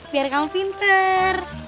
biar kamu pinter